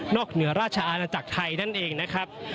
เหนือราชอาณาจักรไทยนั่นเองนะครับ